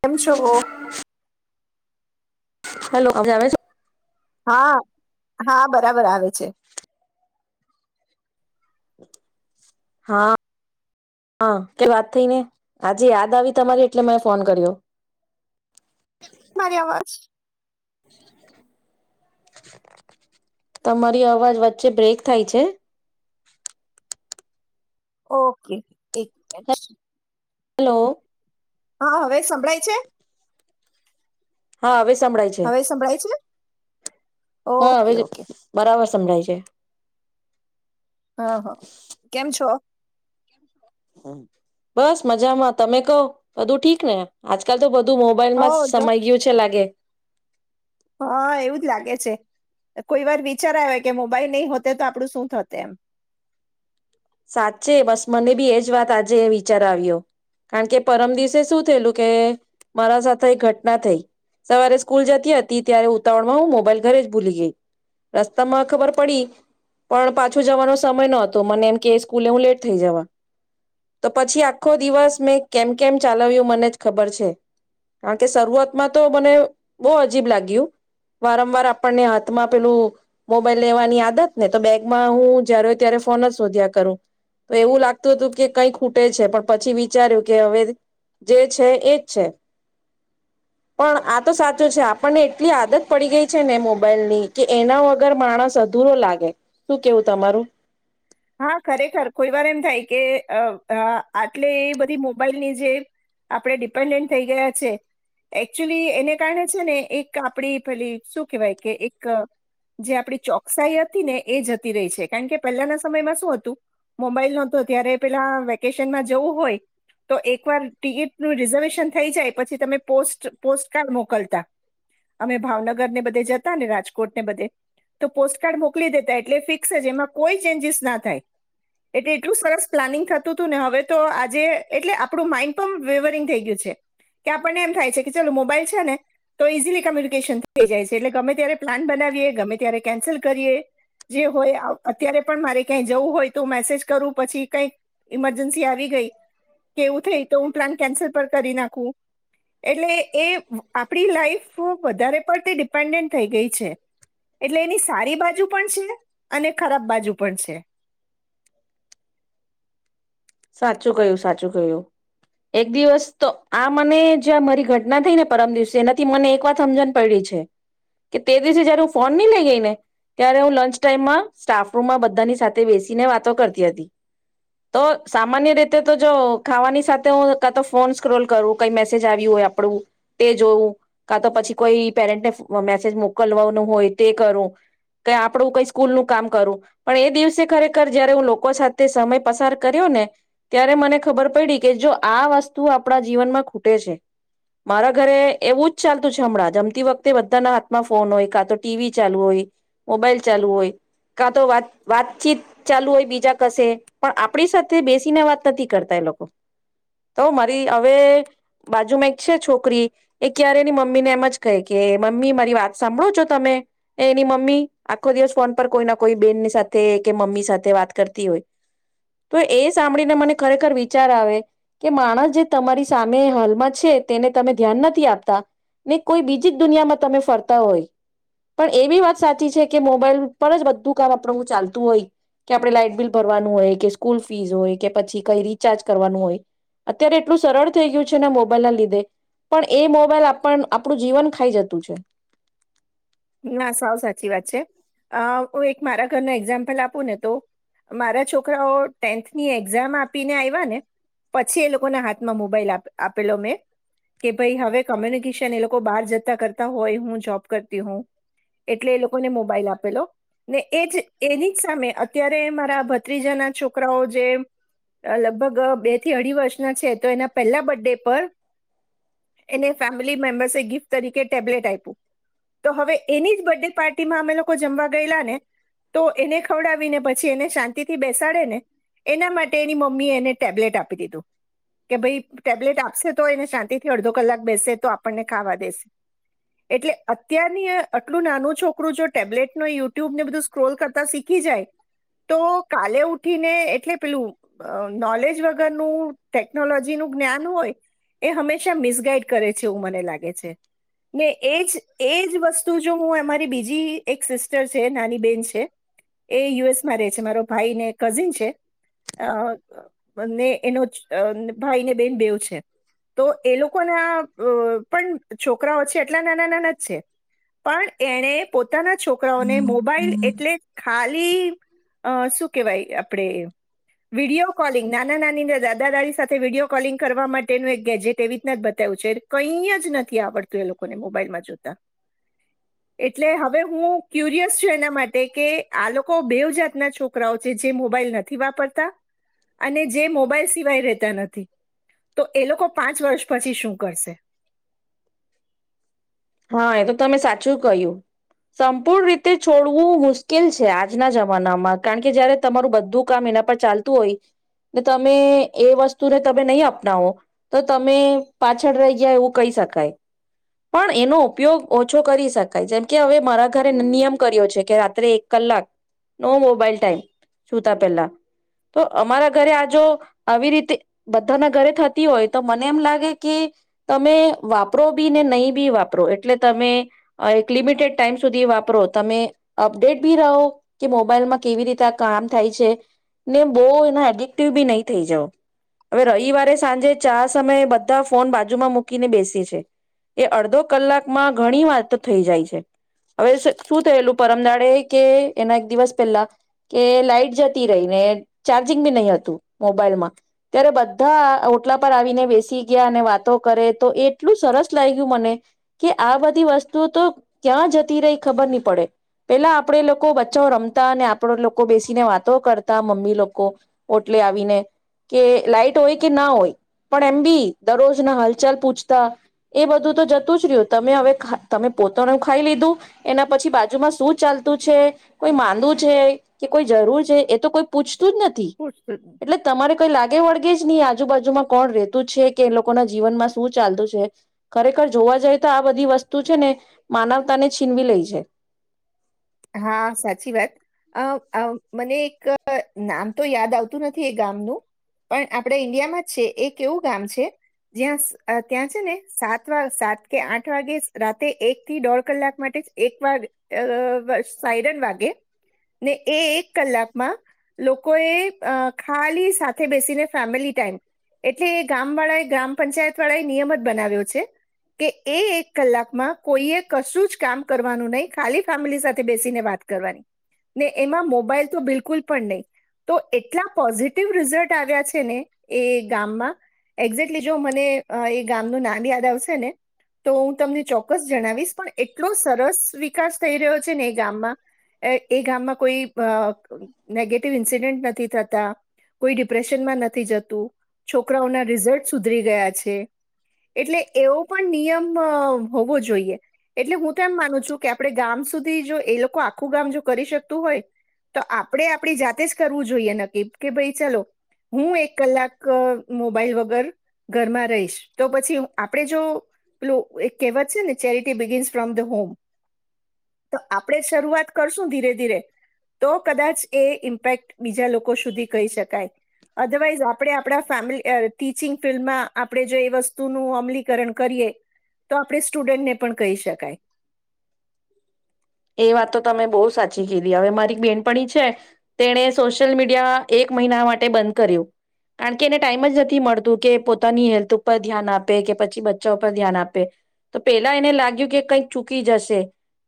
કેમ છો? હેલો હવે આવે છે હા હા બરાબર આવે છે. હા હા કે વાત થઈ ને આજે યાદ આવી તમારી એટલે મેને ફોન કર્યો મારી અવાજ તમારી અવાજ વચ્ચે બ્રેક થાય છે. ઓકે એક મિનટ હલો હા હવે સંભળાય છે. હા હવે સંભળાય છે હવે સંભળાય છે. હા ઓકે હવે ઓકે બરાબર સમળાય છે. હા હા કેમ છો બસ મજામાં તમે કહ બધું ઠીક ને આજકાલ તો બધ ધું હો મોબાઈલમાં જો સય ગયું છે લાગે હા એવું જ લાગે છે કોઈ વાર વિચારાય હોય કે મોબાઈલ નહી હોતે તો આપડું શું થત એમ સાચે બસ મને બી એજ વાત આજે વિચાર આવ્યો કારણ કે પરમ દિવસે શું થયેલું કે મારા સાથે એક ઘટના થઈ સવારે સ્કૂલ જતી હતી ત્યારે ઉતાવળ માં હું મોબાઈલ ઘરે જ ભૂલી ગઈ રસ્તામાં ખબર પડી પણ પાછો જવાનો સમય નતો મને એમ કે સ્કૂલે હું લેટ થઈ જવા તો પછી આખો દિવસ મેં કેમ કેમ ચાલવ્યું મને જ ખબર છે કારણ કે શરૂઆતમાં તો મને બહ અજીબ લાગ્યું વારંવાર આપણને હાથમાં પેલું મોબાઈલ લેવાની આદત ને તો બેગમાં હું જયારેય ત્યારે ફોન જ શોધ્યા કરું તો એવું લાગતું હતું કે કઈ ખૂટે છે પણ પછી વિચાર્યું કે હવે જે છે એજ છે પણ આ તો સાચું છે આપણને એટલી આદત પડી ગઈ છે ને મોબાઈલની કે એના વગર માણસ અધૂરો લાગે શું કેવું તમારું હા ખરેખર કોઈ વાર એમ થાય કે આટલે એ બધી મોબાઈલની જે આપણે ડિપેન્ડન્ટ થઈ ગયા છે એકચુલી એને કારણે છે ને એક આપડી પેલી શું કેહેવાય કે એક જે આપડી ચોકસાઈ હતી ને એ જતી રહી છે કારણ કે પહેલાના સમયમાં સુ હતું મોબાઈલ ન્યાતો ત્યારે પેલા વેકેશનમાં જવું હોય તો એકવાર ટિકિટનું રિઝર્વેશન થઈ જાય પછી તમે પો પોસ્ટકાર્ડ મોકલતા અમે ભાવનગરને બધે જતા ને રાજકોટને બધે તો પોસ્ટકાર્ડ મોકલી દેતા એટલે ફિક્સ જ એમાં કોઈ ચેન્સ ના થાય એટલે એટલું સરસ પ્લાનિંગ થતું હતું ને હવે તો આજે એટલે આપણું માઈન્ડ પણ વવરિંગ થઈ ગયું છે કે આપણને એમ થાય છે કે ચાલ મોબાઈલ છે ને તો ઈઝીલી કમ્યુનિકેશન થઈ જાય છે એટલે ગમે ત્યારે પ્લાન બનાવીએ ગમે ત્યારે કેન્સલ કરીએ જે હોય અત્યારે પણ મારે કઈ જવું હોય તો મેસેજ કરું પછી કઈ ઈમરજન્સી આવી ગઈ કે એવું થઈ તો હું પ્લાન કેન્સલ પર કરી નાખું એટલે એ આપડી લાઈફ વધારે પડતી ડિપેન્ડન્ટ થઈ ગઈ છે એટલે એની સારી બાજુ પણ છે અને ખરાબ બાજુ પણ છે. સાચું કય્યું સાચું કય્યું એક દિવસ તો આ મને જ્યા મારી ઘટના થઈ ને પરમ દિવસે એનાથી મને એક વાત હમજણ પડીડી છે કે તે દિવસે જયારે હું ફોન નહી લઈ ગઈ ને ત્યારે હું લંચ ટાઈમમાં સ્ટાફરૂમમાં બધાની સાથે બેસીને વાતો કરતી હતી તો સામાન્ય રીતે તો જો ખાવાની સાથે હું કા તો ફોન સ્ક્રોલ કરું કઈ મેસેજ આવ્યું હોય આપણું તે જોઉું કા તો પછી કોઈ પેરેન્ટને મેસેજ મોકલવાનું હોય તે કરું કેઈ આપણું કઈ સ્કૂલ નું કામ કરું પણ એ દિવસે ખરેખર જયારે હું લોકો સાથે સમય પસાર કર્યો ને ત્યારે મને ખબર પડી કે જો આ વસ્તુ આપણા જીવનમાં ખૂટે છે મારા ઘરે એવું જ ચાલતું છે હમણાં જમતી વખતે બધાના હાથમાં ફોન હોય કાં તો ટી વી ચાલુ હોય મોબાઈલ ચાલુ હોય કાં તો વાતચીત ચાલુ હોય બીજા કશે પણ આપણી સાથે બેસીને વાત નથી કરતા એ લોકો તો મારી હવે બાજુમાં એક છે છોકરી એ ક્યારે એની મમ્મીને એમ જ કહે કે મમ્મી મારી વાત સાંભળો છો તમે એની મમ્મી આખો દિવસ ફોન પર કોઈ ના કોઈ બેનની સાથે કે મમ્મી સાથે વાત કરતી હોય. તો એ સાંભળીને મને ખરેખર વિચાર આવે કે માણસ જે તમારી સામે હાલમાં છે તેને તમે ધ્યાન નથી આપતા ને કોઈ બીજી જ દુનિયામાં તમે ફરતા હોય પણ એ બી વાત સાચી છે કે મોબાઈલ પર જ બધું કામ આપડું ચાલતું હોય કે આપડણે લાઈટ બિલ ભરવાનું હોય કે સ્કૂલ ફીસ હોય કે પછી કઈ રીચાર્જ કરવાનું હોય અત્યારે એટલું સરળ થઈ ગયું છેને મોબાઈલ ના લીધે પણ એ મોબાઈલ આપ આપણું જીવન ખાઈ જતું છે. ના સાવ સાચી વાત છે અ હું એક મારા ઘરનો એક્ઝામ્પલ આપું ને તો મારા છોકરાઓ ટેન્થની એક્ઝામ આપીને આવ્યા ને પછી એ લોકોના હાથમાં મોબાઈલ આપેલો મેં કે ભાઈ હવે કોમ્યુનિકેશન એ લોકો બહાર જતા કરતા હોય હું જોબ કરતી હોવ એટલે એ લોકોને મોબાઈલ આપેલો ને એ જ એની જ સામે અત્યારે મારા ભત્રીજાના છોકરાઓ જે લગભગ બે થી અઢી વર્ષના છે તો એના પહેલા બર્થ ડે પર એને ફેમિલી મેમ્બર્સે ગિફ્ટ તરીકે ટેબ્લેટ આપ્યું તો હવે એની જ બર્થડે પાર્ટીમાં અમે લોકો જમવા ગયેલા ને તો એને ખવડાવી ને પછી એને શાંતિ થી બેસાડે ને એના માટે એની મમ્મી એને ટેબ્લેટ આપી દીધું કે ભાઈ ટેબ્લેટ આપશે તો એને શાંતિ થી અડધો કલાક બેસે તો આપણને ખાવા દેશે એટલે અત્યારની અટલું નાનું છોકરું જો ટેબ્લેટ ન યુટ્યુબને બધું સ્ક્રોલ કરતા શીખી જાય તો કાલે ઉઠીને એટલે પેલું અ નોલેજ વગરનું ટેકનોલોજીનું જ્ઞાન હોય એ હંમેશા મિસગાઈડ કરે છે એવું મને લાગે છે. ને એજ એજ વસ્ હું અમારી બીજી એક સિસ્ટર શે નાની બેન છે એ યુ એસમાં રે છે મારો ભાઈ ને કઝિન છે અ-અ-ને એનો જ અ ભાઈ ને બેન બેવ છે. તો એ લોકો ના આ અ પણ છોકરાઓ એટલા નાના નાના જ છે પણ એણે પોત તાના છોકરાઓને મોબાઈલ એટલે ખાલ લી અ શું કેવાય આપડે વિડીયો કોલિંગ નાના નાની ને દાદા દાદી સાથે વિડીયો કોલિંગ કરવા માટેનું એક ગેજેટ એવી રીતના જ બતાવ્યું છે કઈ જ નથી આવડતું એ લોકોને મોબાઈલમાં જોતા. એટલે હવે હું ક્યુરિયસ છું એના માટે કે આ લોકો બેવજતના છોકરાઓ છે જે મોબાઈલ નથી વાપરતા અને જે મોબાઈલ સિવાય રહેતા નથી તો એ લોકો પાંચ વર્ષ પછી શું કરશે? હા એ તો તમે સાચું કહ્યું સંપૂર્ણ રીતે છોડવું મુશ્કેલ છે આજના જમાનામાં કારણ કે જયારે તમારું બધું કામ એના પર ચાલતું હોય તમે એ વસ્તુને તમે નહી અપનાવો તો તમે પાછળ રહી ગયા એવું કહી શકાય પણ એનો ઉપયોગ ઓછો કરી શકાય જેમકે હવે મારા ઘરે નિ-નિયમ કર્યો છે કે રાત્રે એક કલાક નો મોબાઈલ ટાઈમ સુતા પેલા તો અમારા ઘરે આ જો આવી રીતે બધાના ઘરે થતી હોય તો મને એમ લાગે કે તમે વાપરો બી ને નહીં બી વાપ પ્રો એટલે તમે અ એક લિમિટેડ ટાઈમ સુધી વાપરો તમે અપડેટ ભી રહો કે મોબાઈલમાં કેવી રીતે આ કામ થાય છે ને બો એના એડિક્ટિવ બી નહી થઈ જાઓ અવે રવિવારે સાંજે ચા સમયે બધા ફોન બાજુમાં મૂકીને બેસીએ છે કે અડધો કલાકમાં ઘણી વાત થઈ જાય છે હવે શું થયેલું પરમદાડે કે એના એક દિવસ પહેલા કે લાાઈટ જતી રહીને ચાર્જિંગ બી નહી હતું મોબાઈલમાં ત્યારે બધા ઓટલા પર આવીને બેસી ગયા અને વાતો કરે તો એટલું સરસ લાગ્યું મને કે આ બધી વસ્તુઓ તો ક્યાં જતી રહી ખબર નહી પડે પેલા આપણેે લોકો બચ્ચા રમતા અને આપડ લોકો બેસીને વાતો કરતા મમ્મી લોકો ઓટલે આવીને કે લાાઈટ હોય કે ના હોય પણ એમ બી દરરોજ ના હલચાલ પૂછતા એ બધું તો જતું જરયુ તમે હવે તમે ખા તમે પોતાનું ખાઈ લીધું એના પછી બાજુમાં શું ચાલતું છે કોઈ માંદું છે કે કોઈ જરૂર છે એ તો કોઈ પૂછ તુ નથી પૂછતું એટલે તમારે કઈ લાગે વળ એજની આજુ બાજુમાં કોણ રેતું છે કે એ લોકો ના જીવનમાં શું ચાલતું છે ખરેખર જોવા જઈ તો આ બધી વસ્તુ છે ને માનવતા ને છીનવી લઈ છે. હા સાચી વાત અ અ મને એક નામ તો યાદ આવતું નથી એ ગામનું પણ આપડા ઈન્ડિયામાં જ છે એક એવું ગામ છે જ્યાં ત્યાં છે ને સાત વા સાત કે આઠ વાગે રાતે એક થી દોઢ કલાક માટે જ એક વાર અ સાયરન વાગે ને એ એક કલાકમાં લોકોએ ખાલી સાથે બેસીને ફેમિલી ટાઈમ એટલે એ ગામ વાળા એ ગ્રામ પંચાયત વાળા એ નિયમ જ બનાવ્યો છે કે એ એક કલાકમાં કોઈએ કશું જ કામ કરવાનું નહી ખાલી ફેમિલી સાથે બેસીને વાત કરવાની ને એમાં મોબાઈલ તો બિલકુલ પણ નહી તો એટલા પોઝિટિવ રિઝલ્ટ આવ્યા છે ને એ ગામમાં એક્ઝેક્ટલી જો મને એ ગામ નુ નામ યાદ આવશે ને તો હું તમને ચોક્કસ જણાવીશ પણ એટલો સરસ વિકાસ થઈ રહ્યો છે એ ગામમાં કોઈ નેગેટિવ ઇન્સિડન્ટ નથી થતા કોઈ ડિપ્રેશનમાં નથી જતું છોકરાઓના રિઝલ્ટ સુધરી ગયા છે એટલે એવો પણ નિયમ હોવો જોઈએ એટલે હું તો એમ માનું છું કે આપણે ગામ સુધી સુધીજો એ લોકો આખું ગામ જો કરી શકતું હોય તો આપણે આપણી જાતે જ કરવું જોઈએ નકીબ કે ભાઈ ચાલો હું એક કલાક મોબાઈલ વગર ઘરમાં રહીશ તો પછી આપણે જો પેલું એક કહેવત છે ને charity begins from the home તો આપણે શરૂઆત કરશું ધીરે ધીરે તો કદાચ એ ઇમ્પેક્ટ બીજા લોકો સુધી કહી શકાય અધરવાઈઝ આપણે આપણા ફેમલી ટીચિંગ ફિલ્ડમાં આપણે જો એ વસ્તુનું અમલીકરણ કરીએ તો આપણે સ્ટુડન્ટને પણ કહી શકાય એ વાત તો તમે બહુ સાચી કીધી હવે મારી બેનપણી છે તેણે સોશિયલ મીડિયા એક મહિના માટે બંધ કર્યું કારણ કે એને ટાઈમ જ નથી મળતું કે પોતાની હેલ્થ ઉપર ધ્યાન આપે કે પછી બચ્ચા ઉપર ધ્યાન આપે તો પેલા એને લાગ્યું કે કંઈક ચૂકી જશે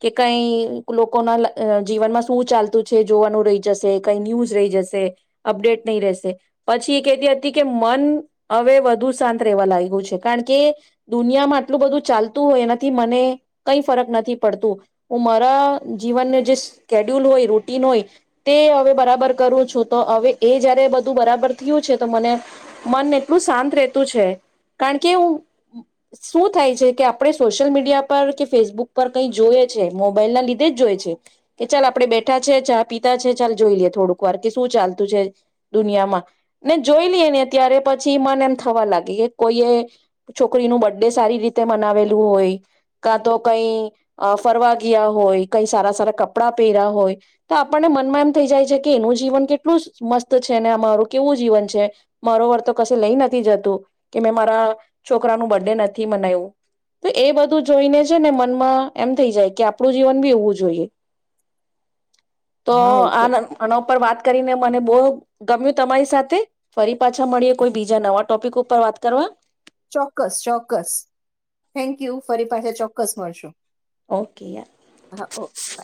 કે કઈ લોકોના જીવનમાં શું ચાલતું છે જોવાનું રહી જશે કઈ ન્યૂઝ રહી જશે અપડેટ નહી રહેશે પછી એ કહેતી હતી કે મન હવે વધુ શાંત રહેવા લાગ્યું છે કારણ કે દુનિયામાં આટલું બધું ચાલતું હોય એનાથી મને કઈ ફરક નથી પડતું હું મારા જીવનને જે સ્ કેડ્યુલ હોય રૂટીન હોય તે હવે બરાબર કરું છું તો હવે એ જયારે બધું બરાબર થયું છે તો મને મન એટલું શાંત રહેતું છે કારણ કે શું થાય છે કે આપણે સોશિયલ મીડિયા પર કે ફેસબુક પર કઈ જોઈએ છે મોબાઈલ ના લીધે જ જોય છે કે ચાલ આપડે બેઠા છે ચા પિતા છે ચાલ જોઈ લઈએ થોડુંક વાર કે શું ચાલતું છે દુનિયામાં ને જોઈ લઈએ ને અત્યારે પછી મન એમ થવા લાગે કે કોઈ એ છોકરી નું બરર્ડે સારી રીતે મનાવેલું હોય કા તો કઈ ફરવા ગયા હોય કઈ સારા સારા કપડાં પહેર્યા હોય તો આપણને મનમાં એમ થઈ જાય છે કે એનું જીવન કેટલું મસ્ત છે ને અ મારું કેવું જીવન છે મારો વર્ તો ક લઈ નથી જતું કે મેં મારા છોકરાનું બર્ ડે નથી મનાવ્યું તો એ બધું જોઈને છે ને મનમાં એમ થઈ જાય કે આપણું જીવન ભી એવું જોઈએ તો હા એ આ તો આના ઉપર વાત કરીને મને બો ગમ્યું તમારી સાથે ફરી પાછા મળએ કોઈ બીજા નવા ટોપિક ઉપર વાત કરવા ચોક્કસ ચોક્કસ થેન્કયુ ફરી પાછા ચોક્કસ મળશું ઓકે યાર હા ઓકે બાય